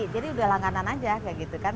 udah langganan aja kayak gitu kan